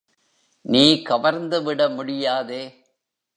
நீ கவர்ந்து விட முடியாதே?